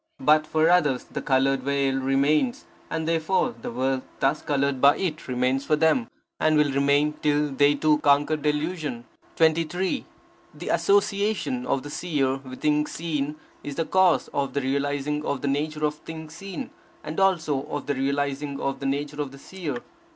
But for others the coloured veil remains, and therefore the world thus coloured by it remains for them, and will remain till they, too, conquer delusion. 23. The association of the Seer with things seen is the cause of the realizing of the nature of things seen, and also of the realizing of the nature of the Seer.